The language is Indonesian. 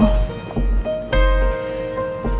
bapak yakin nak